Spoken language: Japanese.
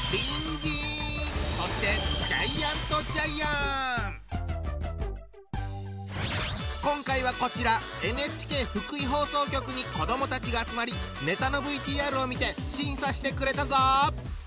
そして今回はこちらＮＨＫ福井放送局に子どもたちが集まりネタのＶＴＲを見て審査してくれたぞ！